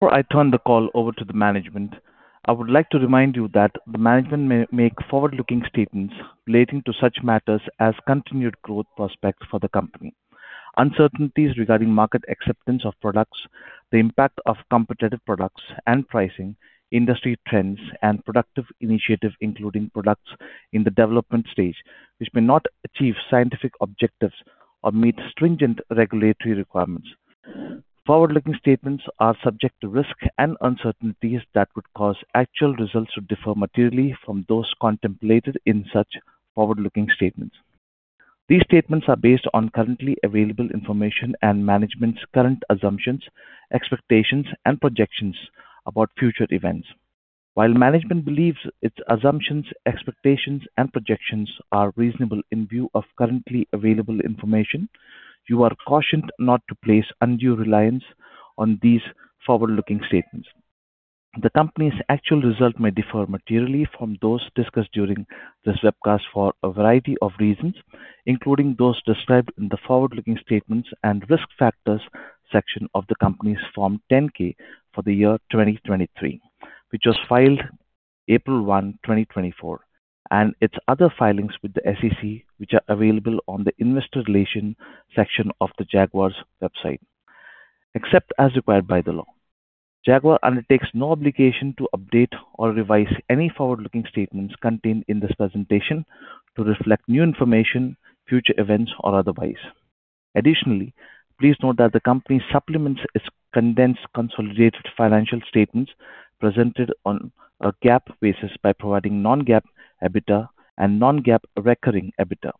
Before I turn the call over to the management, I would like to remind you that the management may make forward-looking statements relating to such matters as continued growth prospects for the company. Uncertainties regarding market acceptance of products, the impact of competitive products and pricing, industry trends, and productive initiatives, including products in the development stage, which may not achieve scientific objectives or meet stringent regulatory requirements. Forward-looking statements are subject to risks and uncertainties that would cause actual results to differ materially from those contemplated in such forward-looking statements. These statements are based on currently available information and management's current assumptions, expectations, and projections about future events. While management believes its assumptions, expectations, and projections are reasonable in view of currently available information, you are cautioned not to place undue reliance on these forward-looking statements. The company's actual results may differ materially from those discussed during this webcast for a variety of reasons, including those described in the forward-looking statements and risk factors section of the company's Form 10-K for the year 2023, which was filed April 1, 2024, and its other filings with the SEC, which are available on the investor relations section of the Jaguar's website, except as required by the law. Jaguar undertakes no obligation to update or revise any forward-looking statements contained in this presentation to reflect new information, future events, or otherwise. Additionally, please note that the company supplements its condensed consolidated financial statements presented on a GAAP basis by providing non-GAAP EBITDA and non-GAAP recurring EBITDA.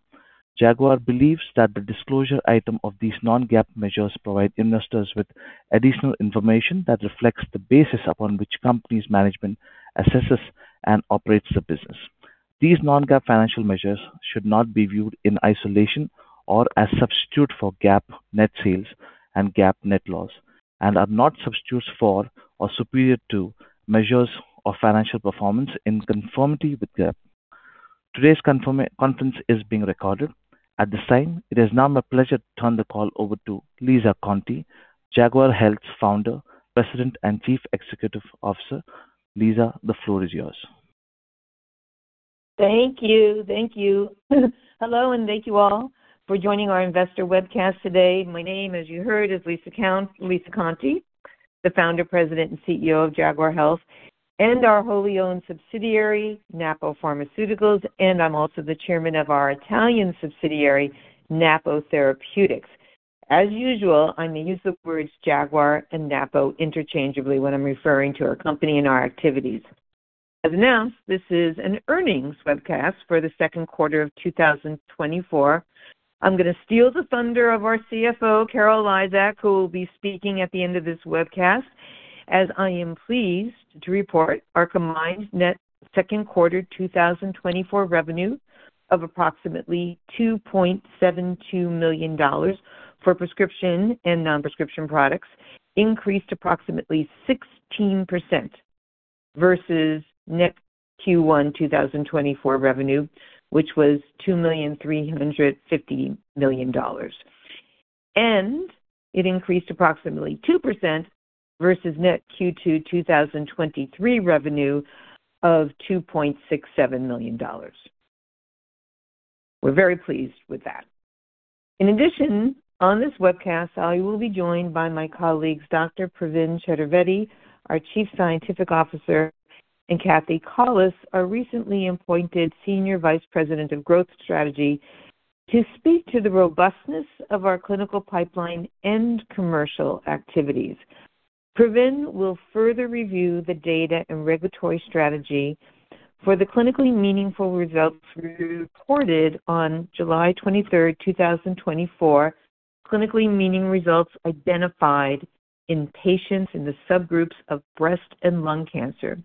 Jaguar believes that the disclosure item of these non-GAAP measures provide investors with additional information that reflects the basis upon which company's management assesses and operates the business. These non-GAAP financial measures should not be viewed in isolation or as substitute for GAAP net sales and GAAP net loss, and are not substitutes for or superior to measures of financial performance in conformity with GAAP. Today's conference is being recorded. At this time, it is now my pleasure to turn the call over to Lisa Conte, Jaguar Health's Founder, President, and Chief Executive Officer. Lisa, the floor is yours. Thank you. Thank you. Hello, and thank you all for joining our investor webcast today. My name, as you heard, is Lisa Conte, the founder, president, and CEO of Jaguar Health and our wholly owned subsidiary, Napo Pharmaceuticals, and I'm also the Chairman of our Italian subsidiary, Napo Therapeutics. As usual, I may use the words Jaguar and Napo interchangeably when I'm referring to our company and our activities. As announced, this is an earnings webcast for the second quarter of 2024. I'm going to steal the thunder of our CFO, Carol Lizak, who will be speaking at the end of this webcast. As I am pleased to report, our combined net second quarter 2024 revenue of approximately $2.72 million for prescription and non-prescription products increased approximately 16% versus net Q1 2024 revenue, which was $2.35 million, and it increased approximately 2% versus net Q2 2023 revenue of $2.67 million. We're very pleased with that. In addition, on this webcast, I will be joined by my colleagues, Dr. Pravin Chaturvedi, our Chief Scientific Officer, and Cathy Collis, our recently appointed Senior Vice President of Growth Strategy, to speak to the robustness of our clinical pipeline and commercial activities. Pravin will further review the data and regulatory strategy for the clinically meaningful results reported on July 23, 2024. Clinically meaningful results identified in patients in the subgroups of breast and lung cancer.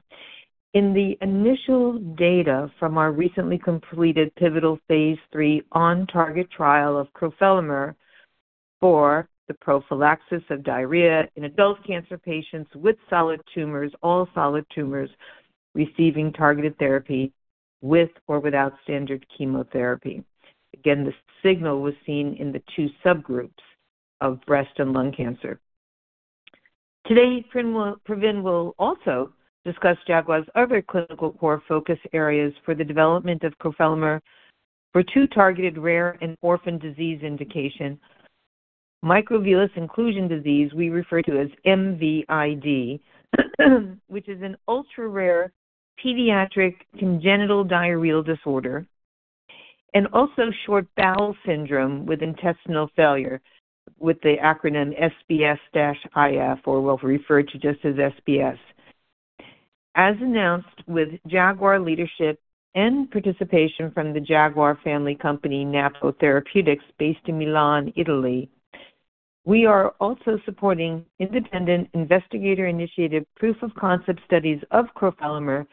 In the initial data from our recently completed pivotal Phase 3 OnTarget trial of crofelemer for the prophylaxis of diarrhea in adult cancer patients with solid tumors, all solid tumors receiving targeted therapy with or without standard chemotherapy. Again, this signal was seen in the two subgroups of breast and lung cancer. Today, Pravin will also discuss Jaguar's other clinical core focus areas for the development of crofelemer for two targeted rare and orphan disease indication. Microvillus inclusion disease, we refer to as MVID, which is an ultra-rare pediatric congenital diarrheal disorder and also short bowel syndrome with intestinal failure, with the acronym SBS-IF, or we'll refer to just as SBS. As announced, with Jaguar leadership and participation from the Jaguar family company, Napo Therapeutics, based in Milan, Italy, we are also supporting independent investigator-initiated proof of concept studies of crofelemer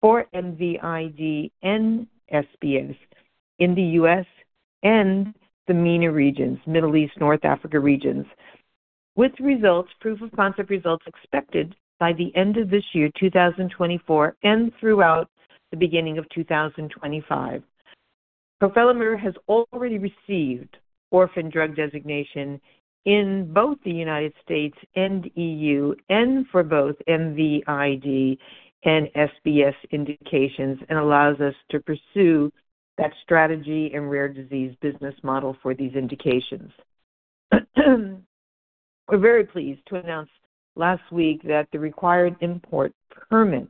for MVID and SBS in the U.S. and the MENA regions, Middle East, North Africa regions, with results, proof of concept results expected by the end of this year, 2024, and throughout the beginning of 2025. Crofelemer has already received orphan drug designation in both the United States and E.U., and for both MVID and SBS indications, and allows us to pursue that strategy and rare disease business model for these indications. We're very pleased to announce last week that the required import permit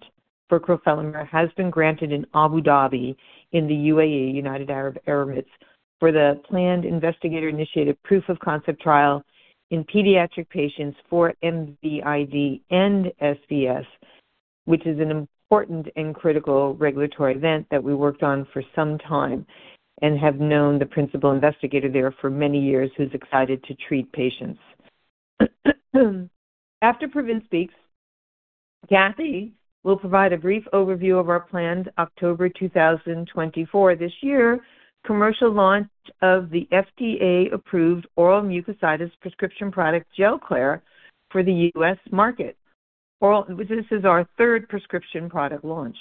for crofelemer has been granted in Abu Dhabi, in the UAE, United Arab Emirates, for the planned investigator-initiated proof of concept trial in pediatric patients for MVID and SBS, which is an important and critical regulatory event that we worked on for some time and have known the principal investigator there for many years, who's excited to treat patients. After Pravin speaks, Cathy will provide a brief overview of our planned October 2024 this year commercial launch of the FDA-approved oral mucositis prescription product, Gelclair, for the US market. This is our third prescription product launch.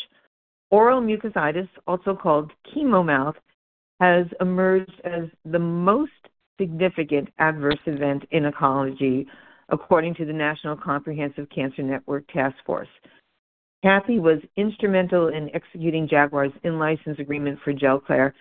Oral mucositis, also called chemo mouth, has emerged as the most significant adverse event in oncology, according to the National Comprehensive Cancer Network Task Force. Cathy was instrumental in executing Jaguar's in-license agreement for Gelclair.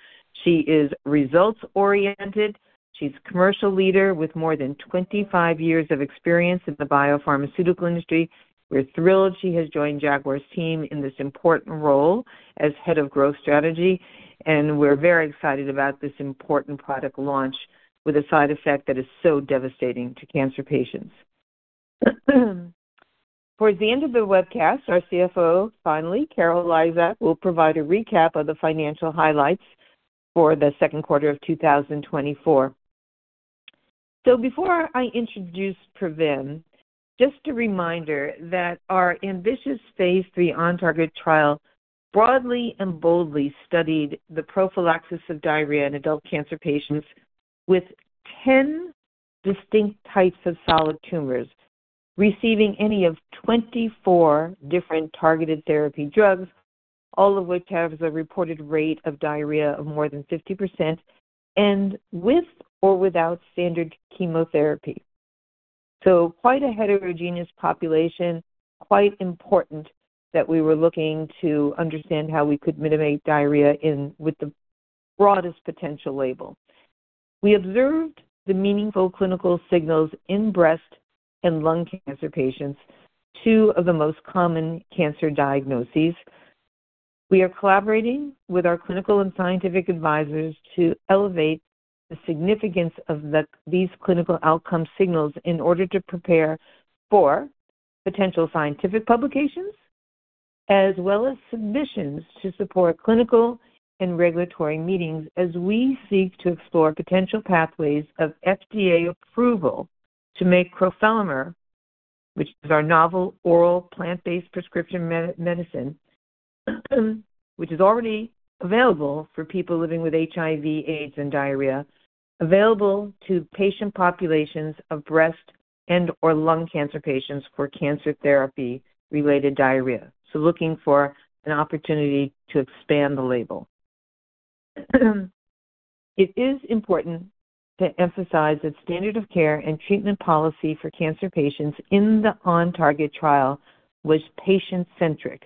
She is results-oriented. She's a commercial leader with more than 25 years of experience in the biopharmaceutical industry. We're thrilled she has joined Jaguar's team in this important role as Head of Growth Strategy, and we're very excited about this important product launch with a side effect that is so devastating to cancer patients. Towards the end of the webcast, our CFO, finally, Carol Lizak, will provide a recap of the financial highlights for the second quarter of 2024. Before I introduce Pravin, just a reminder that our ambitious Phase 3 OnTarget trial broadly and boldly studied the prophylaxis of diarrhea in adult cancer patients with 10 distinct types of solid tumors, receiving any of 24 different targeted therapy drugs, all of which have a reported rate of diarrhea of more than 50% and with or without standard chemotherapy. So quite a heterogeneous population, quite important that we were looking to understand how we could mitigate diarrhea in with the broadest potential label. We observed the meaningful clinical signals in breast and lung cancer patients, two of the most common cancer diagnoses. We are collaborating with our clinical and scientific advisors to elevate the significance of these clinical outcome signals in order to prepare for potential scientific publications, as well as submissions to support clinical and regulatory meetings as we seek to explore potential pathways of FDA approval to make crofelemer, which is our novel oral plant-based prescription medicine, which is already available for people living with HIV, AIDS, and diarrhea, available to patient populations of breast and/or lung cancer patients for cancer therapy-related diarrhea. So looking for an opportunity to expand the label. It is important to emphasize that standard of care and treatment policy for cancer patients in the OnTarget trial was patient-centric,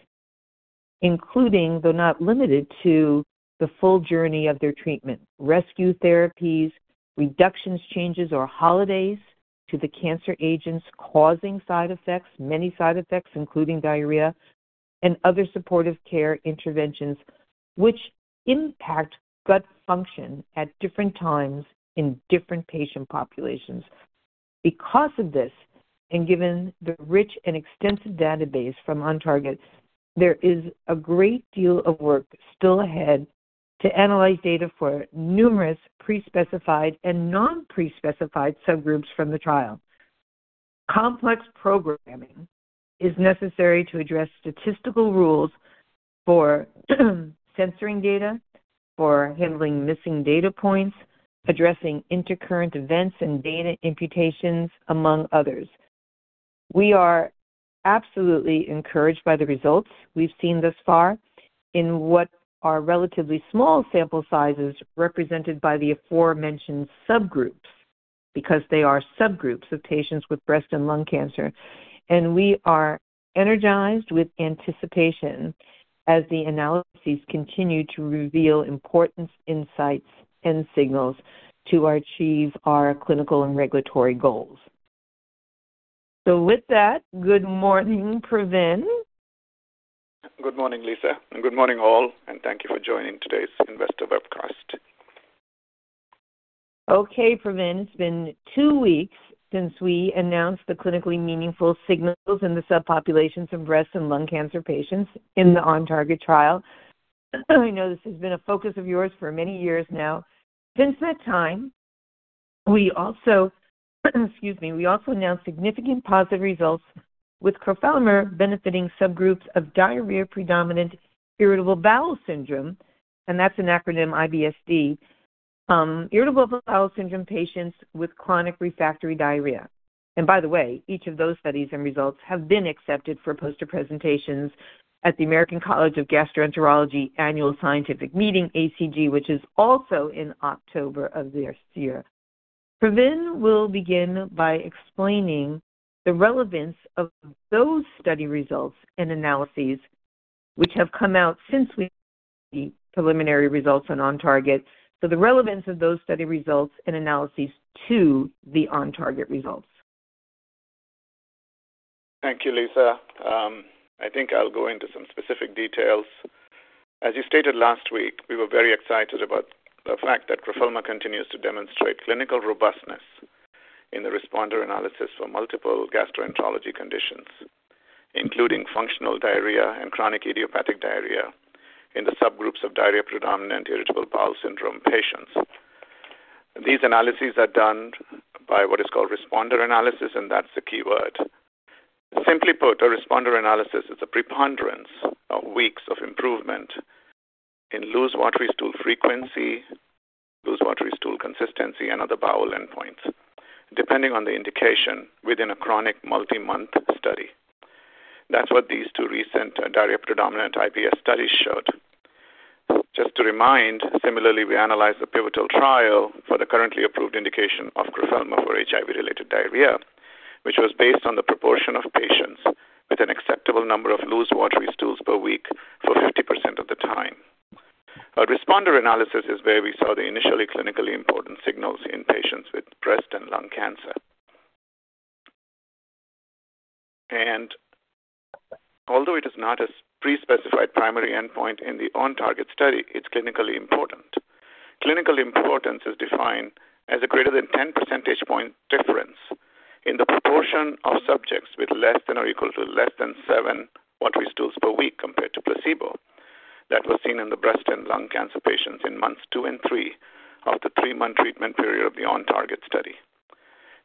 including, though not limited to, the full journey of their treatment: rescue therapies, reductions, changes, or holidays to the cancer agents causing side effects, many side effects, including diarrhea and other supportive care interventions which impact gut function at different times in different patient populations. Because of this, and given the rich and extensive database from OnTarget, there is a great deal of work still ahead to analyze data for numerous pre-specified and non-pre-specified subgroups from the trial. Complex programming is necessary to address statistical rules for censoring data, for handling missing data points, addressing intercurrent events and data imputations, among others. We are absolutely encouraged by the results we've seen thus far in what are relatively small sample sizes represented by the aforementioned subgroups, because they are subgroups of patients with breast and lung cancer. We are energized with anticipation as the analyses continue to reveal important insights and signals to achieve our clinical and regulatory goals. With that, good morning, Pravin. Good morning, Lisa, and good morning, all, and thank you for joining today's investor webcast. Okay, Pravin, it's been two weeks since we announced the clinically meaningful signals in the subpopulations of breast and lung cancer patients in the OnTarget trial. I know this has been a focus of yours for many years now. Since that time, we also, excuse me, we also announced significant positive results with crofelemer benefiting subgroups of diarrhea-predominant irritable bowel syndrome, and that's an acronym, IBS-D. Irritable bowel syndrome patients with chronic refractory diarrhea. And by the way, each of those studies and results have been accepted for poster presentations at the American College of Gastroenterology Annual Scientific Meeting, ACG, which is also in October of this year. Pravin will begin by explaining the relevance of those study results and analyses, which have come out since we preliminary results on OnTarget. So the relevance of those study results and analyses to the OnTarget results. Thank you, Lisa. I think I'll go into some specific details. As you stated last week, we were very excited about the fact that crofelemer continues to demonstrate clinical robustness in the responder analysis for multiple gastroenterology conditions, including functional diarrhea and chronic idiopathic diarrhea in the subgroups of diarrhea-predominant irritable bowel syndrome patients. These analyses are done by what is called responder analysis, and that's the key word. Simply put, a responder analysis is a preponderance of weeks of improvement in loose, watery stool frequency, loose, watery stool consistency, and other bowel endpoints, depending on the indication within a chronic multi-month study. That's what these two recent diarrhea-predominant IBS studies showed. Just to remind, similarly, we analyzed the pivotal trial for the currently approved indication of crofelemer for HIV-related diarrhea, which was based on the proportion of patients with an acceptable number of loose, watery stools per week for 50% of the time. A responder analysis is where we saw the initially clinically important signals in patients with breast and lung cancer. And although it is not a pre-specified primary endpoint in the OnTarget study, it's clinically important. Clinical importance is defined as a greater than 10 percentage point difference in the proportion of subjects with less than or equal to less than seven watery stools per week compared to placebo. That was seen in the breast and lung cancer patients in two and three of the three-month treatment period of the OnTarget study.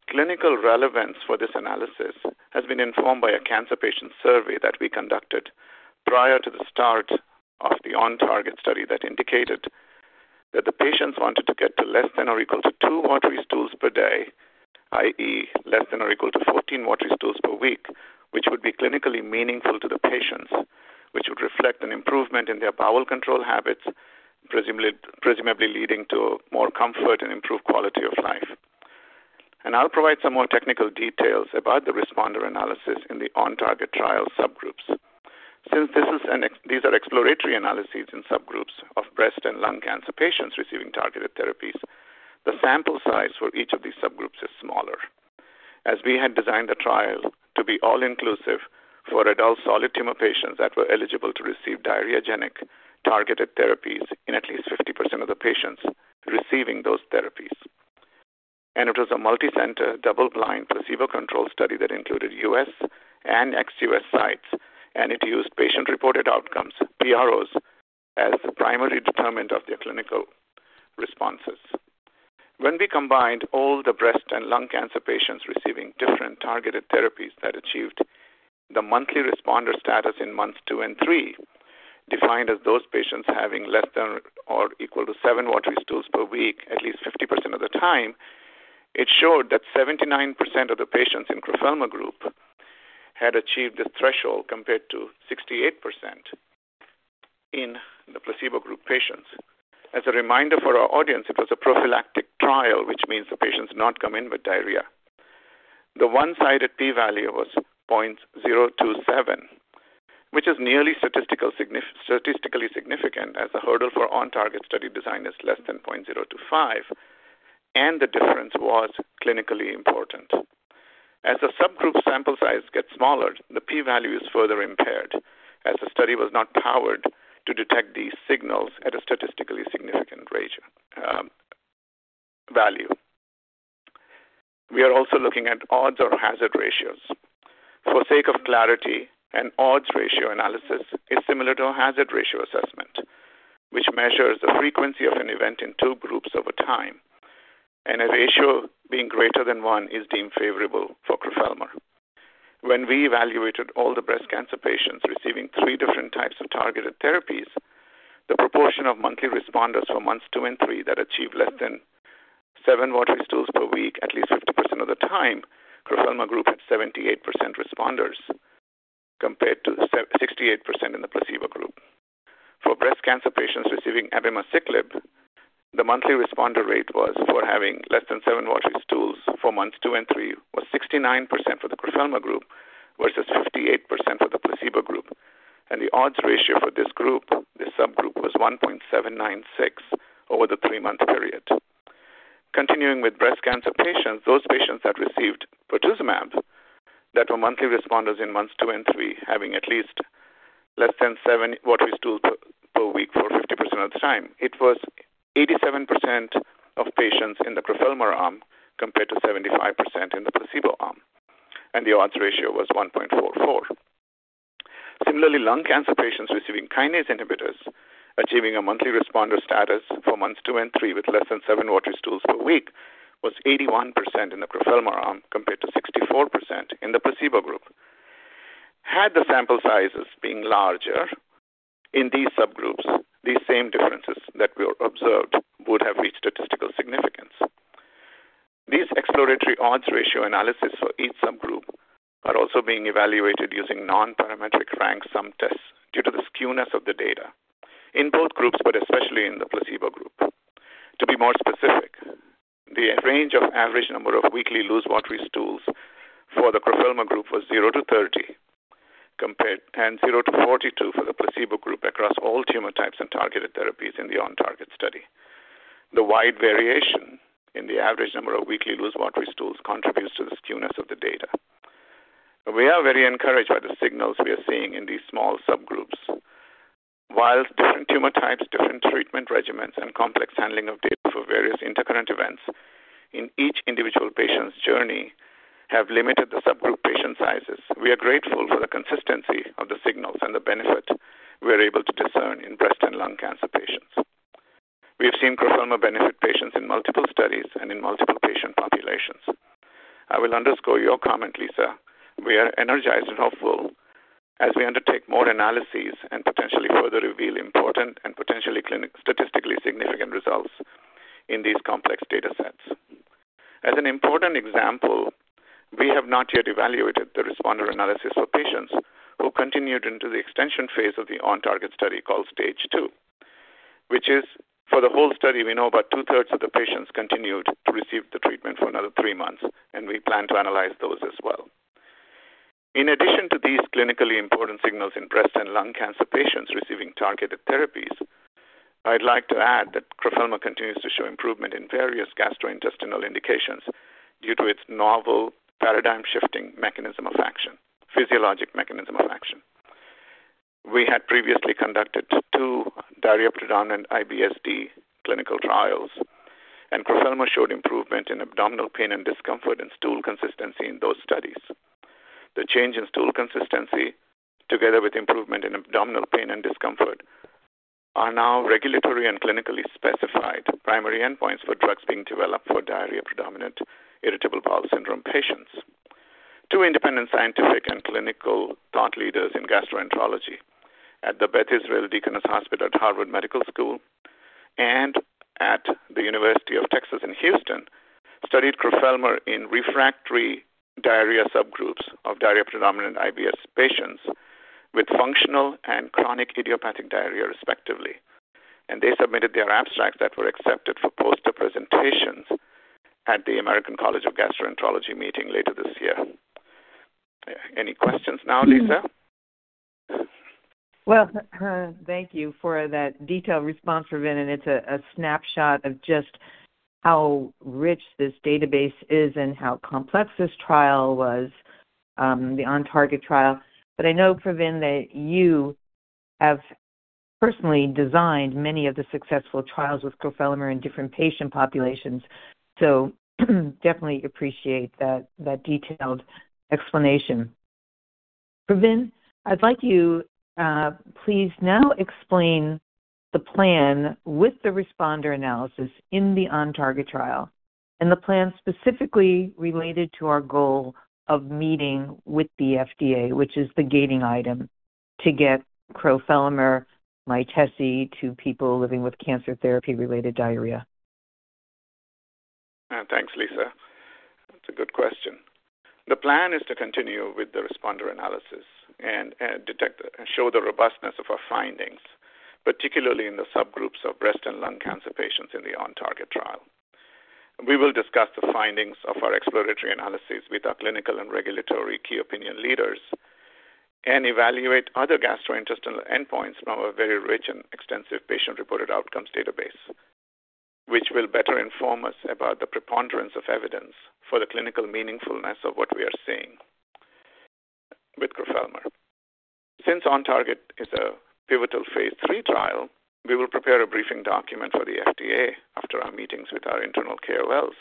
Clinical relevance for this analysis has been informed by a cancer patient survey that we conducted prior to the start of the OnTarget study, that indicated that the patients wanted to get to less than or equal to two watery stools per day, i.e., less than or equal to 14 watery stools per week, which would be clinically meaningful to the patients, which would reflect an improvement in their bowel control habits, presumably, presumably leading to more comfort and improved quality of life. I'll provide some more technical details about the responder analysis in the OnTarget trial subgroups. Since this is—these are exploratory analyses in subgroups of breast and lung cancer patients receiving targeted therapies, the sample size for each of these subgroups is smaller. As we had designed the trial to be all-inclusive for adult solid tumor patients that were eligible to receive diarrheagenic targeted therapies in at least 50% of the patients receiving those therapies. It was a multicenter, double-blind, placebo-controlled study that included U.S. and ex-U.S. sites, and it used patient-reported outcomes, PROs, as the primary determinant of their clinical responses. When we combined all the breast and lung cancer patients receiving different targeted therapies that achieved the monthly responder status in months two and three, defined as those patients having less than or equal to seven watery stools per week, at least 50% of the time, it showed that 79% of the patients in the crofelemer group had achieved the threshold, compared to 68% in the placebo group patients. As a reminder for our audience, it was a prophylactic trial, which means the patients not come in with diarrhea. The one-sided p-value was 0.027, which is nearly statistical significant, statistically significant, as the hurdle for OnTarget study design is less than 0.025, and the difference was clinically important. As the subgroup sample size gets smaller, the p-value is further impaired, as the study was not powered to detect these signals at a statistically significant ratio, value. We are also looking at odds or hazard ratios. For sake of clarity, an odds ratio analysis is similar to a hazard ratio assessment, which measures the frequency of an event in two groups over time, and a ratio being greater than one is deemed favorable for crofelemer. When we evaluated all the breast cancer patients receiving three different types of targeted therapies, the proportion of monthly responders for months 2 and 3 that achieved less than 7 watery stools per week, at least 50% of the time, crofelemer group had 78% responders, compared to 68% in the placebo group. For breast cancer patients receiving abemaciclib, the monthly responder rate was for having less than seven watery stools for months two and three, was 69% for the crofelemer group, versus 58% for the placebo group. The odds ratio for this group, this subgroup, was 1.796 over the three-month period. Continuing with breast cancer patients, those patients that received pertuzumab, that were monthly responders in months two and three, having at least less than seven watery stools per week for 50% of the time, it was 87% of patients in the crofelemer arm, compared to 75% in the placebo arm, and the odds ratio was 1.44. Similarly, lung cancer patients receiving kinase inhibitors achieving a monthly responder status for months two and three, with less than seven watery stools per week, was 81% in the crofelemer arm, compared to 64% in the placebo group.... Had the sample sizes been larger in these subgroups, these same differences that were observed would have reached statistical significance. These exploratory odds ratio analysis for each subgroup are also being evaluated using nonparametric rank sum tests due to the skewness of the data in both groups, but especially in the placebo group. To be more specific, the range of average number of weekly loose watery stools for the crofelemer group was 0-30, compared to 0-42 for the placebo group across all tumor types and targeted therapies in the OnTarget study. The wide variation in the average number of weekly loose watery stools contributes to the skewness of the data. We are very encouraged by the signals we are seeing in these small subgroups. While different tumor types, different treatment regimens, and complex handling of data for various intercurrent events in each individual patient's journey have limited the subgroup patient sizes, we are grateful for the consistency of the signals and the benefit we are able to discern in breast and lung cancer patients. We have seen crofelemer benefit patients in multiple studies and in multiple patient populations. I will underscore your comment, Lisa. We are energized and hopeful as we undertake more analyses and potentially further reveal important and potentially clinically statistically significant results in these complex data sets. As an important example, we have not yet evaluated the responder analysis for patients who continued into the extension Phase of the OnTarget study, called Stage II, which is for the whole study. We know about two-thirds of the patients continued to receive the treatment for another three months, and we plan to analyze those as well. In addition to these clinically important signals in breast and lung cancer patients receiving targeted therapies, I'd like to add that crofelemer continues to show improvement in various gastrointestinal indications due to its novel paradigm-shifting mechanism of action, physiologic mechanism of action. We had previously conducted two diarrhea-predominant IBS-D clinical trials, and crofelemer showed improvement in abdominal pain and discomfort and stool consistency in those studies. The change in stool consistency, together with improvement in abdominal pain and discomfort, are now regulatory and clinically specified primary endpoints for drugs being developed for diarrhea-predominant irritable bowel syndrome patients. Two independent scientific and clinical thought leaders in gastroenterology at the Beth Israel Deaconess Medical Center at Harvard Medical School and at the University of Texas in Houston studied crofelemer in refractory diarrhea subgroups of diarrhea-predominant IBS patients with functional and chronic idiopathic diarrhea, respectively. They submitted their abstracts that were accepted for poster presentations at the American College of Gastroenterology meeting later this year. Any questions now, Lisa? Well, thank you for that detailed response, Pravin, and it's a snapshot of just how rich this database is and how complex this trial was, the OnTarget trial. But I know, Pravin, that you have personally designed many of the successful trials with crofelemer in different patient populations, so definitely appreciate that detailed explanation. Pravin, I'd like you, please now explain the plan with the responder analysis in the OnTarget trial and the plan specifically related to our goal of meeting with the FDA, which is the gating item to get crofelemer Mytesi to people living with cancer therapy-related diarrhea. Thanks, Lisa. That's a good question. The plan is to continue with the responder analysis and show the robustness of our findings, particularly in the subgroups of breast and lung cancer patients in the OnTarget trial. We will discuss the findings of our exploratory analyses with our clinical and regulatory key opinion leaders and evaluate other gastrointestinal endpoints from a very rich and extensive patient-reported outcomes database, which will better inform us about the preponderance of evidence for the clinical meaningfulness of what we are seeing with crofelemer. Since OnTarget is a pivotal Phase 3 trial, we will prepare a briefing document for the FDA after our meetings with our internal KOLs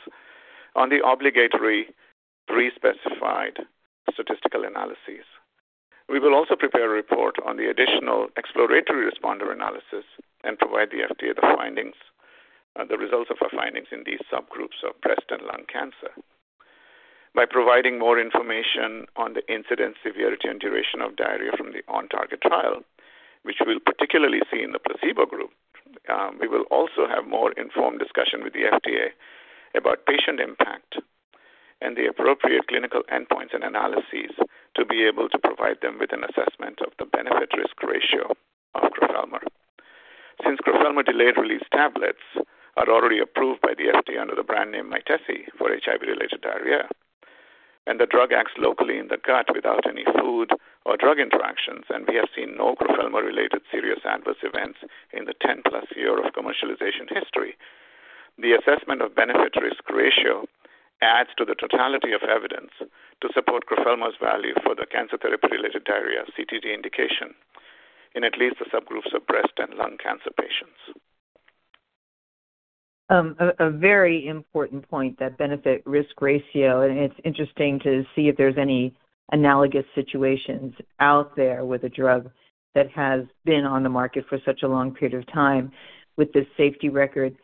on the obligatory respecified statistical analyses. We will also prepare a report on the additional exploratory responder analysis and provide the FDA the findings, the results of our findings in these subgroups of breast and lung cancer. By providing more information on the incidence, severity, and duration of diarrhea from the OnTarget trial, which we'll particularly see in the placebo group, we will also have more informed discussion with the FDA about patient impact and the appropriate clinical endpoints and analyses to be able to provide them with an assessment of the benefit/risk ratio of crofelemer. Since crofelemer delayed-release tablets are already approved by the FDA under the brand name Mytesi for HIV-related diarrhea, and the drug acts locally in the gut without any food or drug interactions, and we have seen no crofelemer-related serious adverse events in the 10+ year of commercialization history, the assessment of benefit/risk ratio adds to the totality of evidence to support crofelemer's value for the cancer therapy-related diarrhea, CTD, indication in at least the subgroups of breast and lung cancer patients. A very important point, that benefit/risk ratio, and it's interesting to see if there's any analogous situations out there with a drug that has been on the market for such a long period of time with this safety record.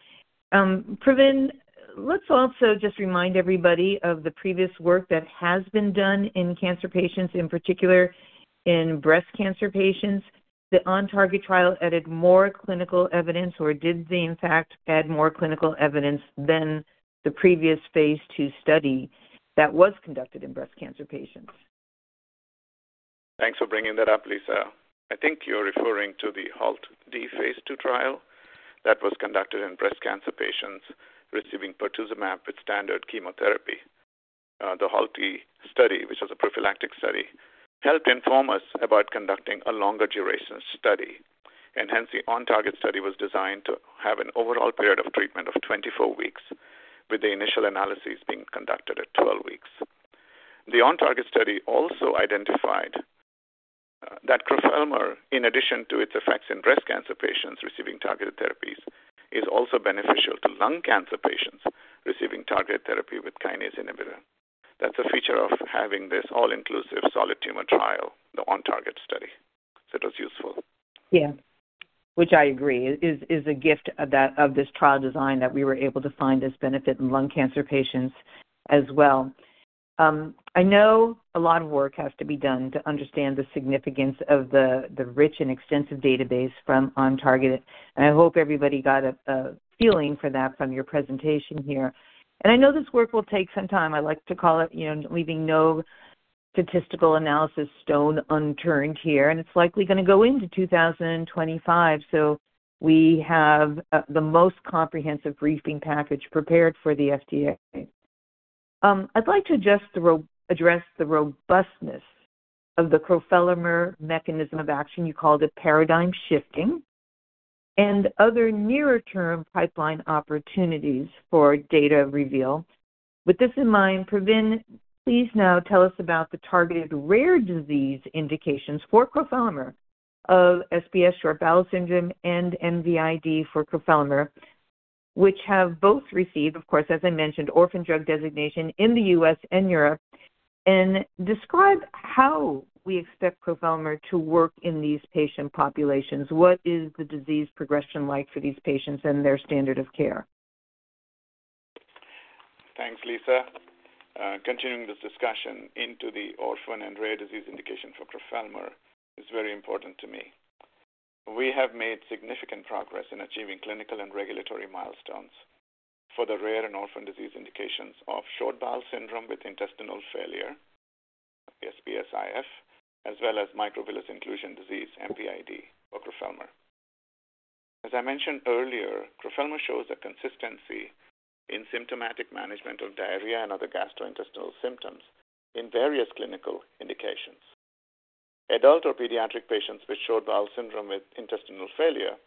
Pravin, let's also just remind everybody of the previous work that has been done in cancer patients, in particular in breast cancer patients. The OnTarget trial added more clinical evidence, or did they, in fact, add more clinical evidence than the previous Phase 2 study that was conducted in breast cancer patients? Thanks for bringing that up, Lisa. I think you're referring to the HALT-D Phase 2 trial that was conducted in breast cancer patients receiving pertuzumab with standard chemotherapy. The HALT-D study, which was a prophylactic study, helped inform us about conducting a longer duration study. Hence, the OnTarget study was designed to have an overall period of treatment of 24 weeks, with the initial analyses being conducted at 12 weeks. The OnTarget study also identified that crofelemer, in addition to its effects in breast cancer patients receiving targeted therapies, is also beneficial to lung cancer patients receiving targeted therapy with kinase inhibitor. That's a feature of having this all-inclusive solid tumor trial, the OnTarget study. So it was useful. Yeah, which I agree is a gift of that, of this trial design that we were able to find this benefit in lung cancer patients as well. I know a lot of work has to be done to understand the significance of the rich and extensive database from OnTarget, and I hope everybody got a feeling for that from your presentation here. And I know this work will take some time. I like to call it, you know, leaving no statistical analysis stone unturned here, and it's likely gonna go into 2025, so we have the most comprehensive briefing package prepared for the FDA. I'd like to just address the robustness of the crofelemer mechanism of action. You called it paradigm shifting and other nearer-term pipeline opportunities for data reveal. With this in mind, Pravin, please now tell us about the targeted rare disease indications for crofelemer of SBS, short bowel syndrome, and MVID for crofelemer, which have both received, of course, as I mentioned, orphan drug designation in the U.S. and Europe. Describe how we expect crofelemer to work in these patient populations. What is the disease progression like for these patients and their standard of care? Thanks, Lisa. Continuing this discussion into the orphan and rare disease indication for crofelemer is very important to me. We have made significant progress in achieving clinical and regulatory milestones for the rare and orphan disease indications of short bowel syndrome with intestinal failure, SBS-IF, as well as microvillus inclusion disease, MVID, for crofelemer. As I mentioned earlier, crofelemer shows a consistency in symptomatic management of diarrhea and other gastrointestinal symptoms in various clinical indications. Adult or pediatric patients with short bowel syndrome with intestinal failure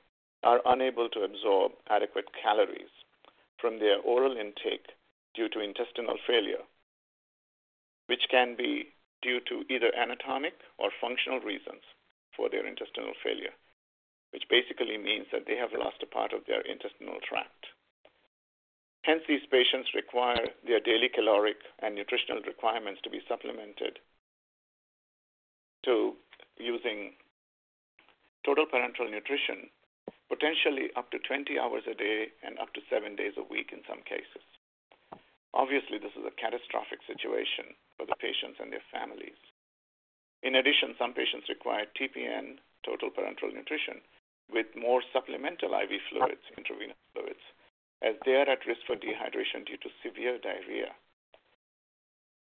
are unable to absorb adequate calories from their oral intake due to intestinal failure, which can be due to either anatomic or functional reasons for their intestinal failure, which basically means that they have lost a part of their intestinal tract. Hence, these patients require their daily caloric and nutritional requirements to be supplemented to using total parenteral nutrition, potentially up to 20 hours a day and up to 7 days a week in some cases. Obviously, this is a catastrophic situation for the patients and their families. In addition, some patients require TPN, total parenteral nutrition, with more supplemental IV fluids, intravenous fluids, as they are at risk for dehydration due to severe diarrhea.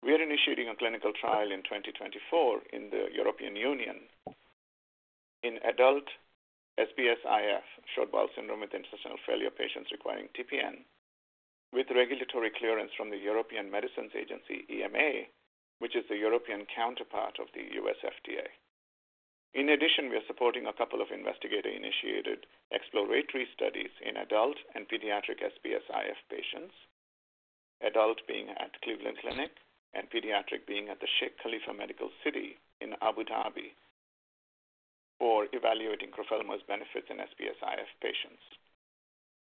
We are initiating a clinical trial in 2024 in the European Union in adult SBS-IF, short bowel syndrome with intestinal failure, patients requiring TPN with regulatory clearance from the European Medicines Agency, EMA, which is the European counterpart of the U.S. FDA. In addition, we are supporting a couple of investigator-initiated exploratory studies in adult and pediatric SBS-IF patients, adult being at Cleveland Clinic and pediatric being at the Sheikh Khalifa Medical City in Abu Dhabi, for evaluating crofelemer's benefits in SBS-IF patients.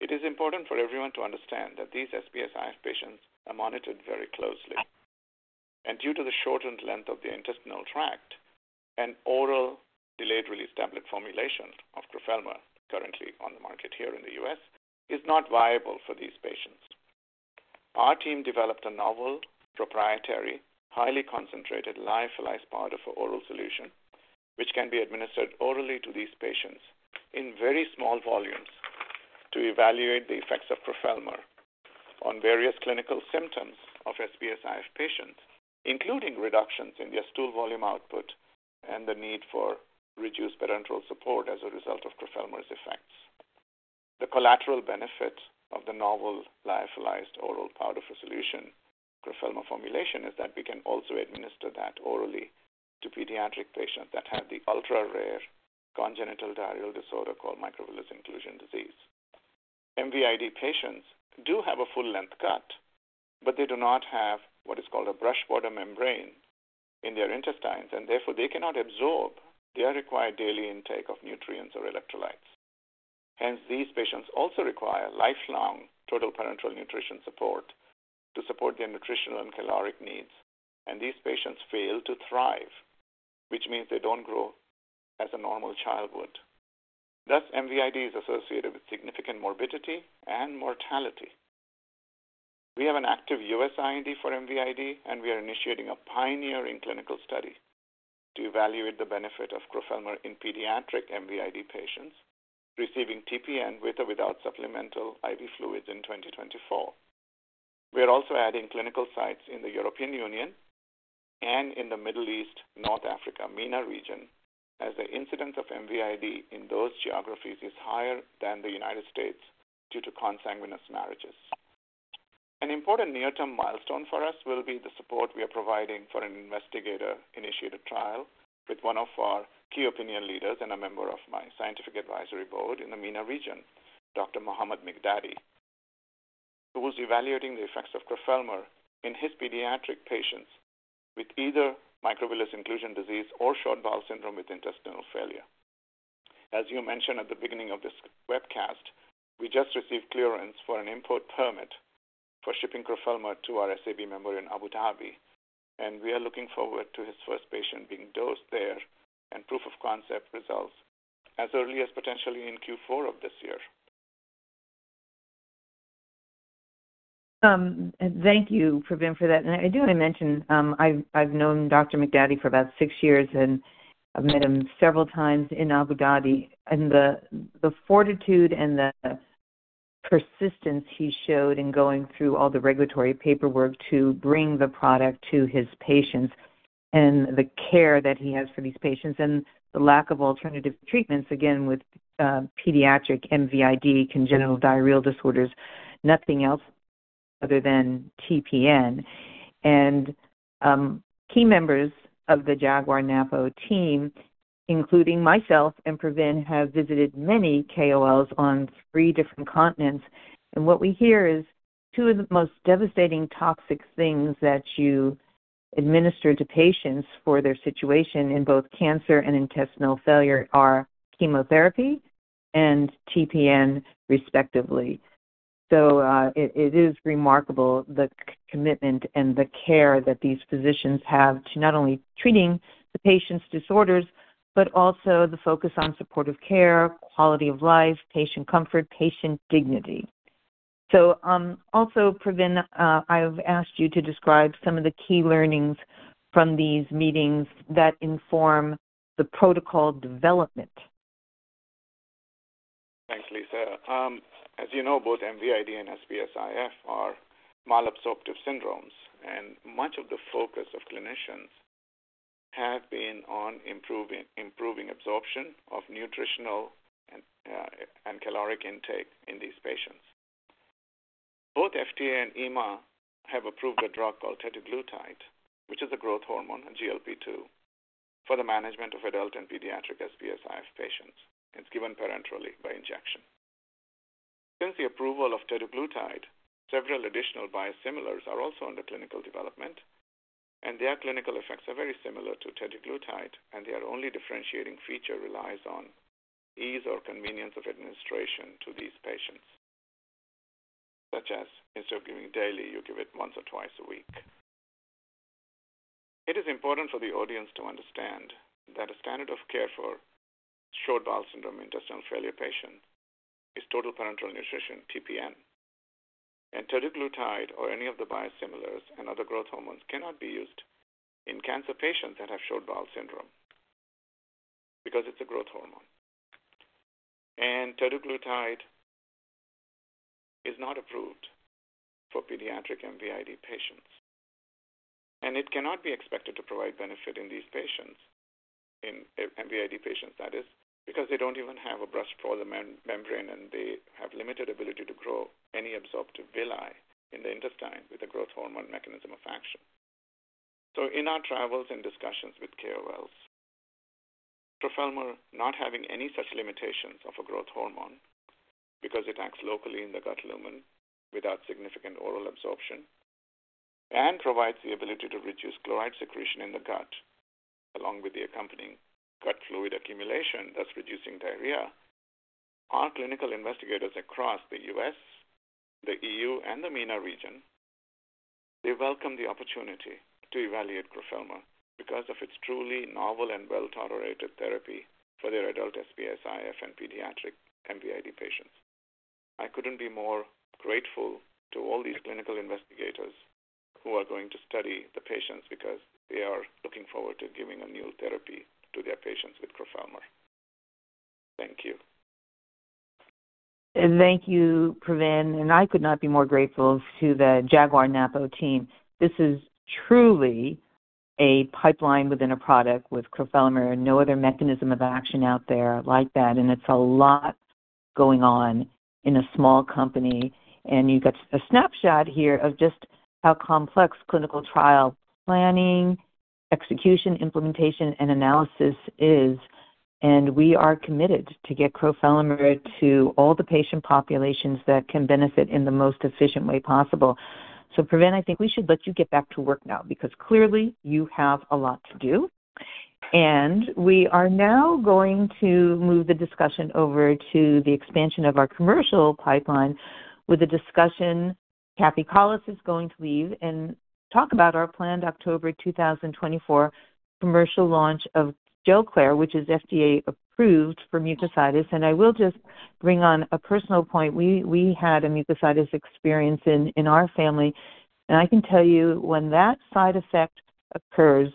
It is important for everyone to understand that these SBS-IF patients are monitored very closely, and due to the shortened length of the intestinal tract, an oral delayed-release tablet formulation of crofelemer, currently on the market here in the U.S., is not viable for these patients. Our team developed a novel, proprietary, highly concentrated lyophilized powder for oral solution, which can be administered orally to these patients in very small volumes to evaluate the effects of crofelemer on various clinical symptoms of SBS-IF patients, including reductions in their stool volume output and the need for reduced parenteral support as a result of crofelemer's effects. The collateral benefit of the novel lyophilized oral powder for solution crofelemer formulation is that we can also administer that orally to pediatric patients that have the ultra-rare congenital diarrheal disorder called microvillus inclusion disease. MVID patients do have a full length gut, but they do not have what is called a brush border membrane in their intestines, and therefore, they cannot absorb their required daily intake of nutrients or electrolytes. Hence, these patients also require lifelong total parenteral nutrition support to support their nutritional and caloric needs, and these patients fail to thrive, which means they don't grow as a normal child would. Thus, MVID is associated with significant morbidity and mortality. We have an active U.S. IND for MVID, and we are initiating a pioneering clinical study to evaluate the benefit of crofelemer in pediatric MVID patients receiving TPN with or without supplemental IV fluids in 2024. We are also adding clinical sites in the European Union and in the Middle East, North Africa, MENA region, as the incidence of MVID in those geographies is higher than the United States due to consanguineous marriages. An important near-term milestone for us will be the support we are providing for an investigator-initiated trial with one of our key opinion leaders and a member of my scientific advisory board in the MENA region, Dr. Mohamad Miqdady, who is evaluating the effects of crofelemer in his pediatric patients with either microvillus inclusion disease or short bowel syndrome with intestinal failure. As you mentioned at the beginning of this webcast, we just received clearance for an import permit for shipping crofelemer to our SAB member in Abu Dhabi, and we are looking forward to his first patient being dosed there and proof of concept results as early as potentially in Q4 of this year. Thank you, Pravin, for that. And I do want to mention, I've known Dr. Miqdady for about six years, and I've met him several times in Abu Dhabi. And the fortitude and the persistence he showed in going through all the regulatory paperwork to bring the product to his patients and the care that he has for these patients and the lack of alternative treatments, again, with pediatric MVID, congenital diarrheal disorders, nothing else other than TPN. And key members of the Jaguar Napo team, including myself and Pravin, have visited many KOLs on three different continents, and what we hear is two of the most devastating toxic things that you administer to patients for their situation in both cancer and intestinal failure are chemotherapy and TPN, respectively. So, it is remarkable the commitment and the care that these physicians have to not only treating the patient's disorders, but also the focus on supportive care, quality of life, patient comfort, patient dignity. So, also, Pravin, I've asked you to describe some of the key learnings from these meetings that inform the protocol development. Thanks, Lisa. As you know, both MVID and SBS-IF are malabsorptive syndromes, and much of the focus of clinicians have been on improving absorption of nutritional and and caloric intake in these patients. Both FDA and EMA have approved a drug called teduglutide, which is a growth hormone, a GLP-2, for the management of adult and pediatric SBS-IF patients. It's given parenterally by injection. Since the approval of teduglutide, several additional biosimilars are also under clinical development, and their clinical effects are very similar to teduglutide, and their only differentiating feature relies on ease or convenience of administration to these patients, such as instead of giving daily, you give it once or twice a week. It is important for the audience to understand that a standard of care for short bowel syndrome intestinal failure patient is total parenteral nutrition, TPN. teduglutide or any of the biosimilars and other growth hormones cannot be used in cancer patients that have short bowel syndrome because it's a growth hormone. teduglutide is not approved for pediatric MVID patients, and it cannot be expected to provide benefit in these patients, in MVID patients, that is, because they don't even have a brush border membrane, and they have limited ability to grow any absorptive villi in the intestine with a growth hormone mechanism of action. In our travels and discussions with KOLs, crofelemer not having any such limitations of a growth hormone because it acts locally in the gut lumen without significant oral absorption and provides the ability to reduce chloride secretion in the gut, along with the accompanying gut fluid accumulation, thus reducing diarrhea. Our clinical investigators across the U.S., the EU, and the MENA region, they welcome the opportunity to evaluate crofelemer because of its truly novel and well-tolerated therapy for their adult SBS-IF and pediatric MVID patients. I couldn't be more grateful to all these clinical investigators who are going to study the patients because they are looking forward to giving a new therapy to their patients with crofelemer. Thank you. Thank you, Pravin, and I could not be more grateful to the Jaguar Napo team. This is truly a pipeline within a product with crofelemer. No other mechanism of action out there like that, and it's a lot going on in a small company. You got a snapshot here of just how complex clinical trial planning, execution, implementation, and analysis is, and we are committed to get crofelemer to all the patient populations that can benefit in the most efficient way possible. So Pravin, I think we should let you get back to work now because clearly you have a lot to do. We are now going to move the discussion over to the expansion of our commercial pipeline with a discussion-... Cathy Collis is going to lead and talk about our planned October 2024 commercial launch of Gelclair, which is FDA-approved for mucositis. I will just bring on a personal point. We had a mucositis experience in our family, and I can tell you when that side effect occurs,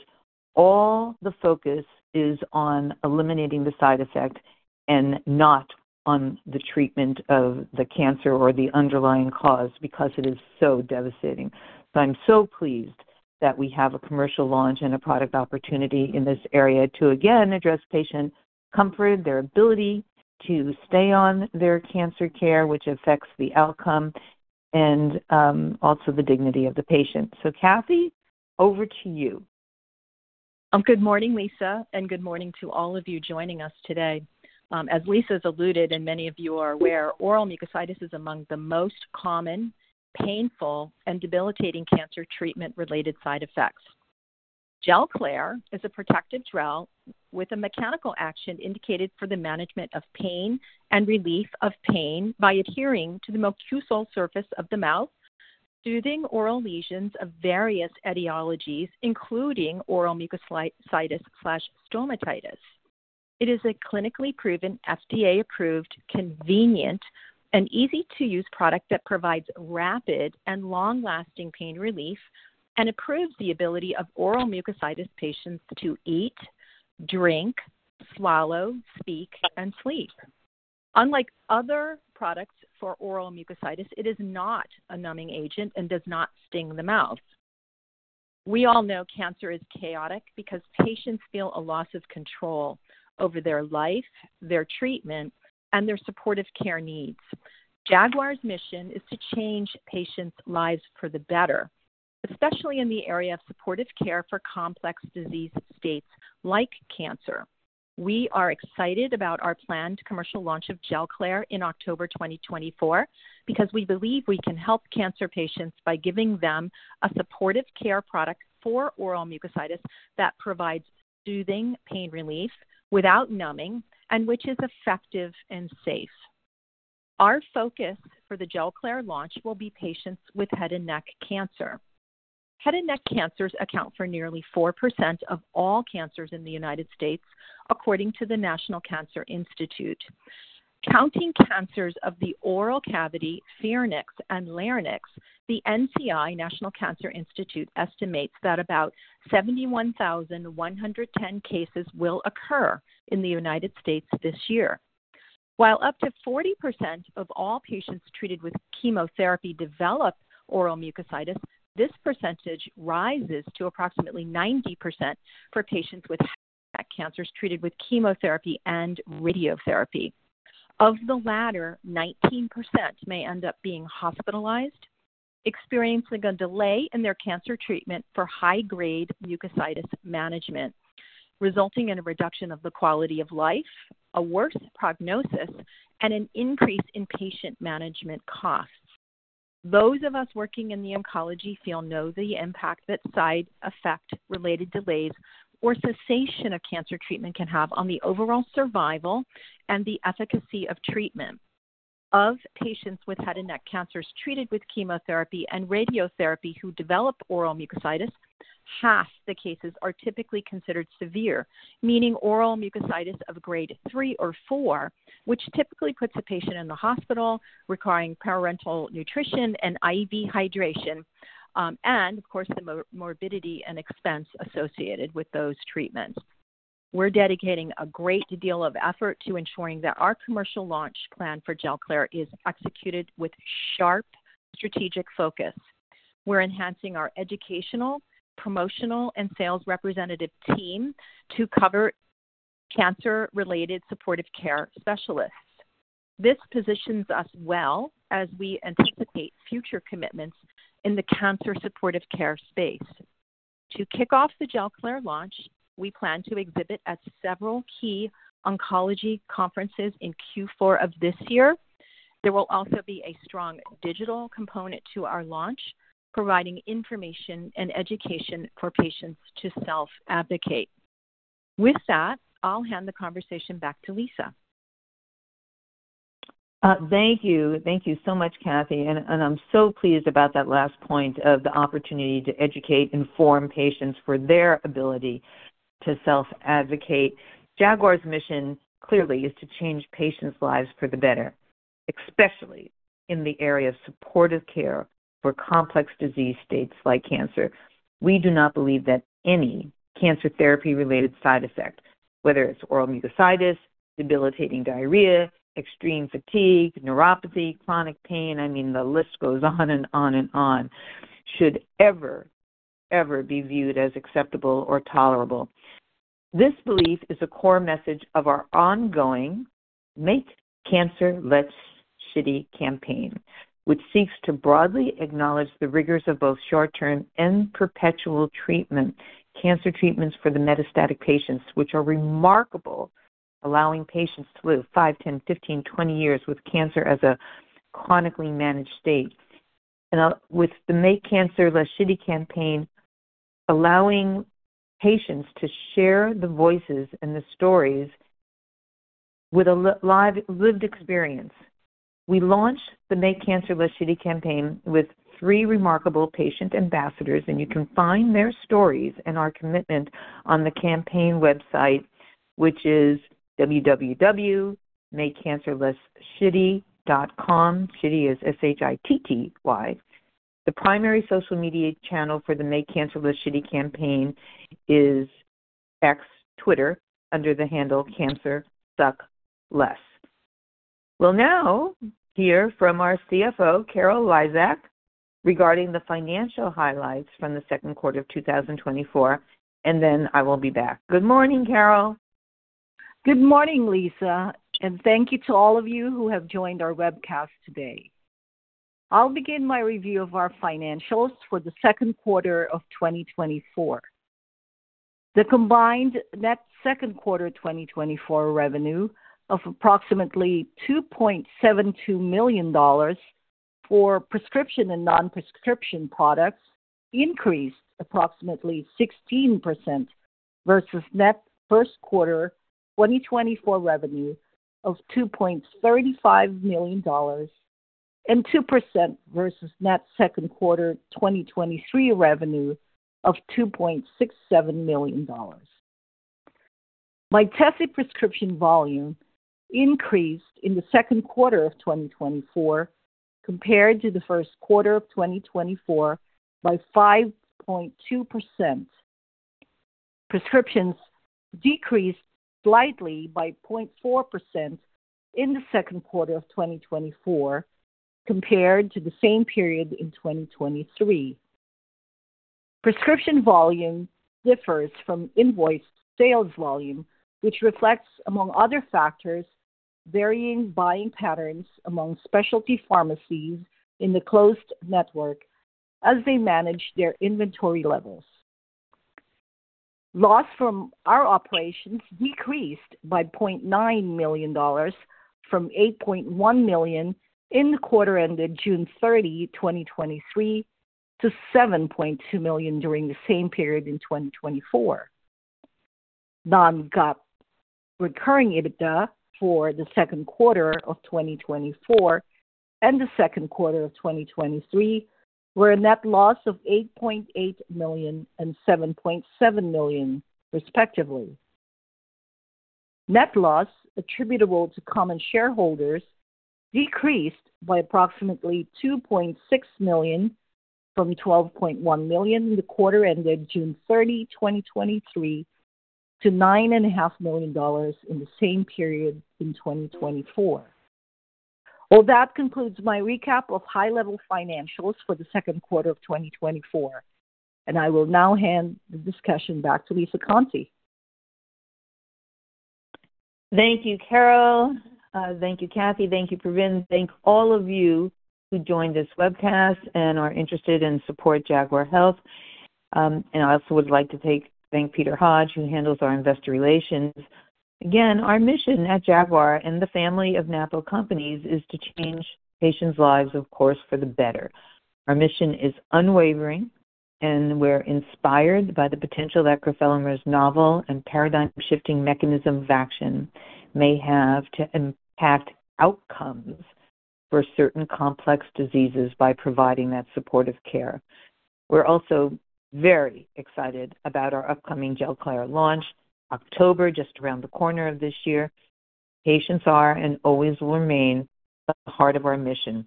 all the focus is on eliminating the side effect and not on the treatment of the cancer or the underlying cause, because it is so devastating. So I'm so pleased that we have a commercial launch and a product opportunity in this area to again address patient comfort, their ability to stay on their cancer care, which affects the outcome and also the dignity of the patient. So Cathy, over to you. Good morning, Lisa, and good morning to all of you joining us today. As Lisa's alluded and many of you are aware, oral mucositis is among the most common, painful, and debilitating cancer treatment-related side effects. Gelclair is a protected trial with a mechanical action indicated for the management of pain and relief of pain by adhering to the mucosal surface of the mouth, soothing oral lesions of various etiologies, including oral mucositis/stomatitis. It is a clinically proven, FDA-approved, convenient, and easy-to-use product that provides rapid and long-lasting pain relief and improves the ability of oral mucositis patients to eat, drink, swallow, speak, and sleep. Unlike other products for oral mucositis, it is not a numbing agent and does not sting the mouth. We all know cancer is chaotic because patients feel a loss of control over their life, their treatment, and their supportive care needs. Jaguar's mission is to change patients' lives for the better, especially in the area of supportive care for complex disease states like cancer. We are excited about our planned commercial launch of Gelclair in October 2024 because we believe we can help cancer patients by giving them a supportive care product for oral mucositis that provides soothing pain relief without numbing and which is effective and safe. Our focus for the Gelclair launch will be patients with head and neck cancer. Head and neck cancers account for nearly 4% of all cancers in the United States, according to the National Cancer Institute. Counting cancers of the oral cavity, pharynx, and larynx, the NCI, National Cancer Institute, estimates that about 71,110 cases will occur in the United States this year. While up to 40% of all patients treated with chemotherapy develop oral mucositis, this percentage rises to approximately 90% for patients with cancers treated with chemotherapy and radiotherapy. Of the latter, 19% may end up being hospitalized, experiencing a delay in their cancer treatment for high-grade mucositis management, resulting in a reduction of the quality of life, a worse prognosis, and an increase in patient management costs. Those of us working in the oncology field know the impact that side effect-related delays or cessation of cancer treatment can have on the overall survival and the efficacy of treatment. Of patients with head and neck cancers treated with chemotherapy and radiotherapy who develop oral mucositis, half the cases are typically considered severe, meaning oral mucositis of Grade three or four, which typically puts a patient in the hospital requiring parenteral nutrition and IV hydration, and of course, the morbidity and expense associated with those treatments. We're dedicating a great deal of effort to ensuring that our commercial launch plan for Gelclair is executed with sharp strategic focus. We're enhancing our educational, promotional, and sales representative team to cover cancer-related supportive care specialists. This positions us well as we anticipate future commitments in the cancer supportive care space. To kick off the Gelclair launch, we plan to exhibit at several key oncology conferences in Q4 of this year. There will also be a strong digital component to our launch, providing information and education for patients to self-advocate. With that, I'll hand the conversation back to Lisa. Thank you. Thank you so much, Cathy, and I'm so pleased about that last point of the opportunity to educate, inform patients for their ability to self-advocate. Jaguar's mission, clearly, is to change patients' lives for the better, especially in the area of supportive care for complex disease states like cancer. We do not believe that any cancer therapy-related side effect, whether it's oral mucositis, debilitating diarrhea, extreme fatigue, neuropathy, chronic pain, I mean, the list goes on and on and on, should ever, ever be viewed as acceptable or tolerable. This belief is a core message of our ongoing Make Cancer Less Shitty campaign, which seeks to broadly acknowledge the rigors of both short-term and perpetual treatment, cancer treatments for the metastatic patients, which are remarkable, allowing patients to live 5, 10, 15, 20 years with cancer as a chronically managed state. With the Make Cancer Less Shitty campaign, allowing patients to share the voices and the stories with a live, lived experience. We launched the Make Cancer Less Shitty campaign with three remarkable patient ambassadors, and you can find their stories and our commitment on the campaign website, which is www.makecancerlessshitty.com. Shitty is S-H-I-T-T-Y. The primary social media channel for the Make Cancer Less Shitty campaign is X Twitter, under the handle CancerSuckLess. We'll now hear from our CFO, Carol Lizak, regarding the financial highlights from the second quarter of 2024, and then I will be back. Good morning, Carol. Good morning, Lisa, and thank you to all of you who have joined our webcast today. I'll begin my review of our financials for the second quarter of 2024. The combined net second quarter 2024 revenue of approximately $2.72 million for prescription and non-prescription products increased approximately 16% versus net first quarter 2024 revenue of $2.35 million, and 2% versus net second quarter 2023 revenue of $2.67 million. Mytesi prescription volume increased in the second quarter of 2024 compared to the first quarter of 2024 by 5.2%. Prescriptions decreased slightly by 0.4% in the second quarter of 2024 compared to the same period in 2023. Prescription volume differs from invoiced sales volume, which reflects, among other factors, varying buying patterns among specialty pharmacies in the closed network as they manage their inventory levels. Loss from our operations decreased by $0.9 million from $8.1 million in the quarter ended June 30, 2023, to $7.2 million during the same period in 2024. Non-GAAP recurring EBITDA for the second quarter of 2024 and the second quarter of 2023 were a net loss of $8.8 million and $7.7 million, respectively. Net loss attributable to common shareholders decreased by approximately $2.6 million from $12.1 million in the quarter ended June 30, 2023, to $9.5 million in the same period in 2024. Well, that concludes my recap of high-level financials for the second quarter of 2024, and I will now hand the discussion back to Lisa Conte. Thank you, Carol. Thank you, Cathy. Thank you, Pravin. Thank all of you who joined this webcast and are interested and support Jaguar Health. And I also would like to thank Peter Hodge, who handles our investor relations. Again, our mission at Jaguar and the family of NAPO companies is to change patients' lives, of course, for the better. Our mission is unwavering, and we're inspired by the potential that crofelemer's novel and paradigm-shifting mechanism of action may have to impact outcomes for certain complex diseases by providing that supportive care. We're also very excited about our upcoming Gelclair launch, October, just around the corner of this year. Patients are and always will remain the heart of our mission.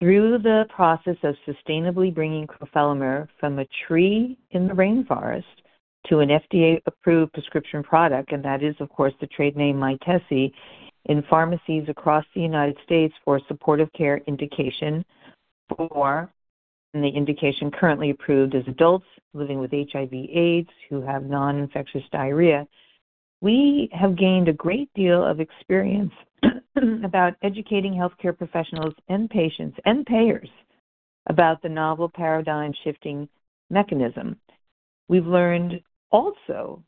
Through the process of sustainably bringing crofelemer from a tree in the rainforest to an FDA-approved prescription product, and that is, of course, the trade name, Mytesi, in pharmacies across the United States for supportive care indication for, and the indication currently approved, is adults living with HIV/AIDS who have non-infectious diarrhea. We have gained a great deal of experience about educating healthcare professionals and patients, and payers about the novel paradigm-shifting mechanism. We've learned also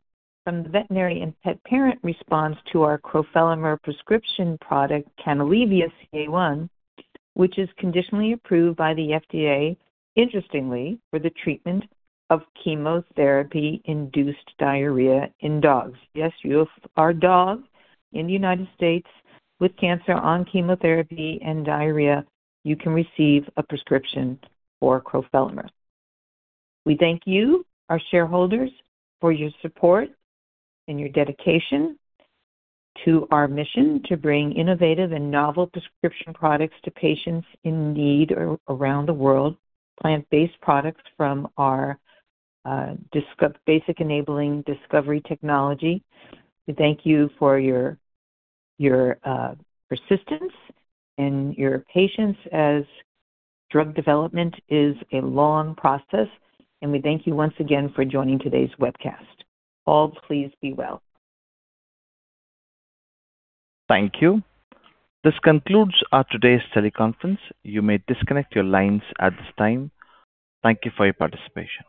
from the veterinary and pet parent response to our crofelemer prescription product, Canalevia-CA1, which is conditionally approved by the FDA, interestingly, for the treatment of chemotherapy-induced diarrhea in dogs. Yes, you, our dogs in the United States with cancer on chemotherapy and diarrhea, you can receive a prescription for crofelemer. We thank you, our shareholders, for your support and your dedication to our mission to bring innovative and novel prescription products to patients in need around the world, plant-based products from our basic enabling discovery technology. We thank you for your persistence and your patience as drug development is a long process, and we thank you once again for joining today's webcast. All, please be well. Thank you. This concludes our today's teleconference. You may disconnect your lines at this time. Thank you for your participation.